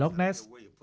hồ lúc nét